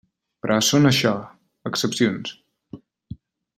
Però són això: excepcions.